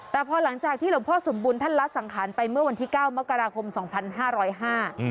แต่พอหลังจากที่หลวงพ่อสมบุญท่านละสังขารไปเมื่อวันที่เก้ามกราคมสองพันห้าร้อยห้า